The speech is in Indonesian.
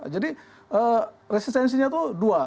jadi resistensinya itu dua